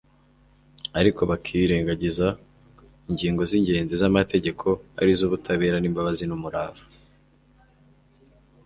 ariko bakirengagiza ''ingingo z'ingenzi z'Amategeko, ari zo ubutabera n'imbabazi n'umurava